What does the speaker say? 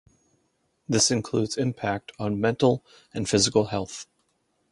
This includes impact on mental and physical health.